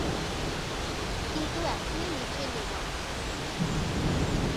কিন্তু এখনই নিচে নেমো না।